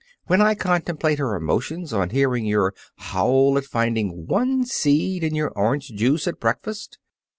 When I contemplate her emotions on hearing your howl at finding one seed in your orange juice at breakfast!